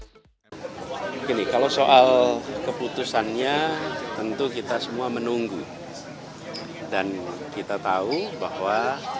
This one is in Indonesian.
keputusan ini akan memiliki dampak yang besar bagi perjalanan kehidupan bernegara di indonesia